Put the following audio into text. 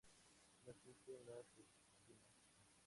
No existen las legítimas.